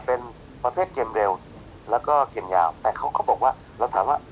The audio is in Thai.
เป็นประเภทเกมเร็วแล้วก็เกมยาวแต่เขาก็บอกว่าเราถามว่า